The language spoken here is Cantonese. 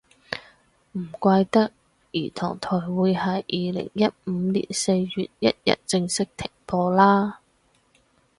唔怪得兒童台會喺二零一五年四月一日正式停播啦